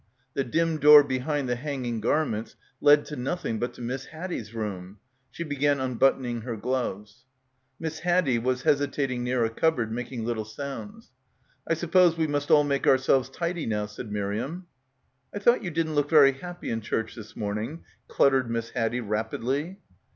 The dim door behind the hanging garments led to nothing but to Miss Haddie's room. She be gan unbuttoning her gloves. Miss Haddie was hesitating near a cupboard, making little sounds. "I suppose we must all make ourselves tidy now," said Miriam. "I thought you didn't look very happy in church this morning," cluttered Miss Haddie rapidly.